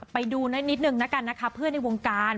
ไปดูนิดนึงนะคะเพื่อนในวงการ